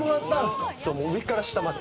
上から下まで。